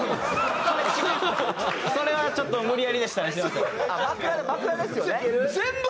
それはちょっと無理やりでしたね。